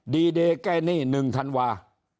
ดีเดย์แก้หนี้หนึ่งธันวา